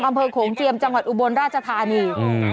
โขงเจียมจังหวัดอุบลราชธานีอืม